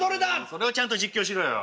それをちゃんと実況しろよ。